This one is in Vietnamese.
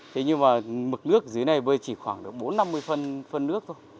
thế nhưng mà mực nước dưới này bơi chỉ khoảng bốn năm mươi phân nước thôi